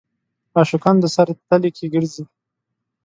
عاشقان د سر تلي کې ګرځي.